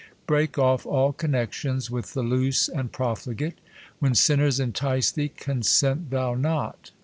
Break off all connexions with the loose and profligate. " When sinners entice thee, consent thou not.